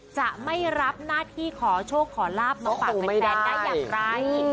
จะไม่รับหน้าที่ขอโชคขอลาบมาฝากแฟนได้อย่างไร